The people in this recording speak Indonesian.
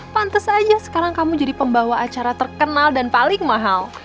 pantes aja sekarang kamu jadi pembawa acara terkenal dan paling mahal